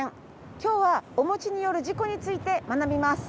今日はおもちによる事故について学びます。